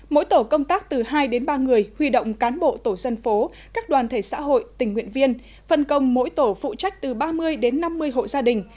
mỗi tổ công tác từ hai đến ba người huy động cán bộ tổ dân phố các đoàn thể xã hội tình nguyện viên phân công mỗi tổ phụ trách từ ba mươi đến năm mươi hộ gia đình